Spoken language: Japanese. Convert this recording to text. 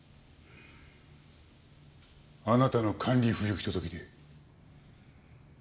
あなたの管理不行き届きで。